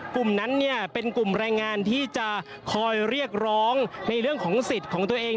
กลุ่มนั้นเป็นกลุ่มแรงงานที่จะคอยเรียกร้องในเรื่องของสิทธิ์ของตัวเอง